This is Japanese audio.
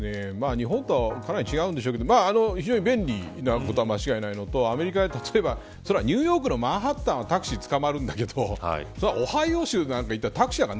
日本とはかなり違うんでしょうけど非常に便利なことは間違いないのとアメリカの例えばニューヨークのマンハッタオハイオ州なんかいったらタクシーなんか